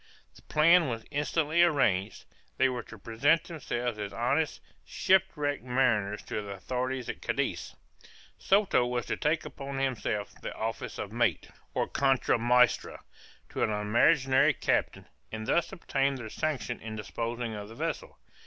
The plan was instantly arranged; they were to present themselves as honest, shipwrecked mariners to the authorities at Cadiz; Soto was to take upon himself the office of mate, or contra maestra, to an imaginary captain, and thus obtain their sanction in disposing of the vessel.